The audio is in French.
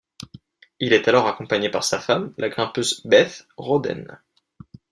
Il est alors accompagné par sa femme, la grimpeuse Beth Rodden.